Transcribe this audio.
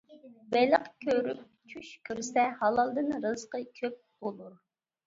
بېلىق كۆرۈپ چۈش كۆرسە ھالالدىن رىزقى كۆپ بولۇر.